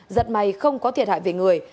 giật may không có thiệt hại về người